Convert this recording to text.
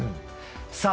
さあ